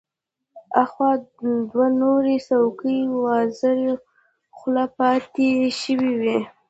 اخوا دوه نورې څوکۍ وازه خوله پاتې شوې وې.